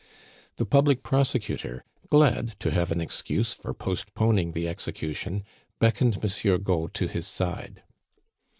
The public prosecutor, glad to have an excuse for postponing the execution, beckoned Monsieur Gault to his side.